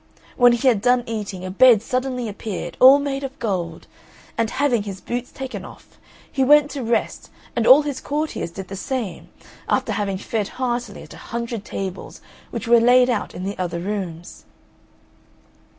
When he had done eating, a bed suddenly appeared all made of gold, and having his boots taken off, he went to rest and all his courtiers did the same, after having fed heartily at a hundred tables, which were laid out in the other rooms.